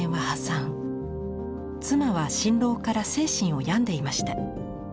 妻は心労から精神を病んでいました。